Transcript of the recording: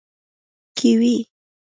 🥝 کیوي